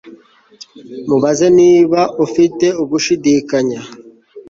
Mubaze niba ufite ugushidikanya